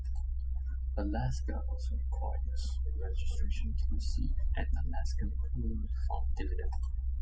Alaska also requires registration to receive an Alaska Permanent Fund dividend.